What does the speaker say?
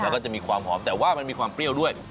แล้วก็จะมีความหอมแต่ว่ามันมีความเปรี้ยวด้วย